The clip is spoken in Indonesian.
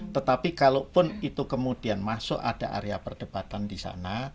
tetapi kalaupun itu kemudian masuk ada area perdebatan di sana